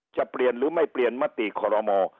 จะเปลี่ยนหรือไม่เปลี่ยนมติคอรมอ